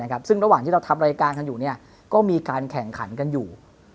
ซึ่งระหว่างที่เราทำรายการกันอยู่ก็มีการแข่งขันกันอยู่